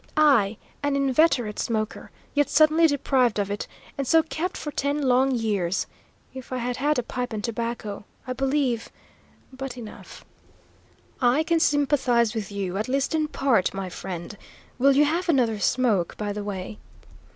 I, an inveterate smoker; yet suddenly deprived of it, and so kept for ten long years! If I had had a pipe and tobacco, I believe but enough." "I can sympathise with you, at least in part, my friend. Will you have another smoke, by the way?"